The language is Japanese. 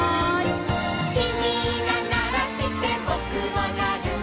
「きみがならしてぼくもなる」